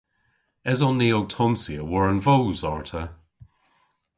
Eson ni ow tonsya war'n voos arta?